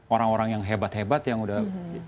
orang orang yang hebat hebat yang udah